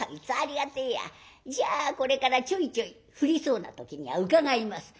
じゃあこれからちょいちょい降りそうな時には伺います」。